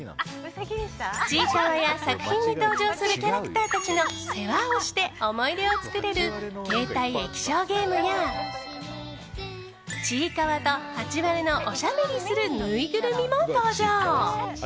ちいかわや作品に登場するキャラクターたちの世話をして思い出を作れる携帯液晶ゲームやちいかわとハチワレのおしゃべりするぬいぐるみも登場。